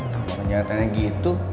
kalau kenyataannya gitu